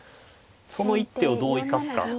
その一手をどう生かすか。